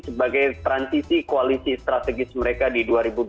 sebagai transisi koalisi strategis mereka di dua ribu dua puluh